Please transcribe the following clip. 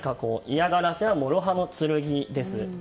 嫌がらせは諸刃の剣です。